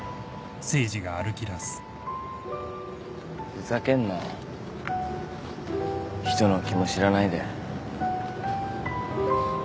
ふざけんなよ人の気も知らないで。